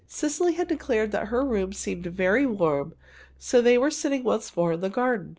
Cecily had declared that her room seemed very warm, so they were sitting once more in the garden.